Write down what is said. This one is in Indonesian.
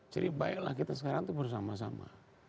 jadi baiklah kita sekarang bersama sama